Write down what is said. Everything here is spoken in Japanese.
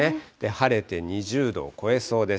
晴れて２０度を超えそうです。